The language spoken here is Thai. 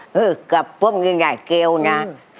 งึเออก็ปบมือใหม่เกี๊ยวนะ